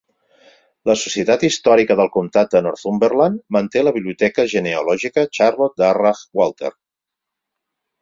La Societat Històrica del Comtat de Northumberland manté la Biblioteca Genealògica Charlotte Darrah Walter.